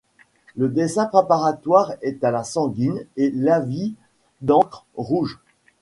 Le dessin préparatoire est à la sanguine et lavis d'encre rouge.